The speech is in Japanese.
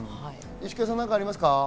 石川さん、何かありますか？